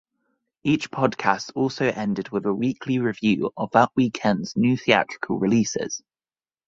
Each podcast also ended with a weekly review of that weekend's new theatrical releases.